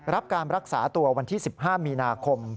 รับการรักษาตัววันที่๑๕มีนาคม